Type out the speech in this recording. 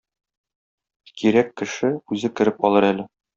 Кирәк кеше үзе кереп алыр әле.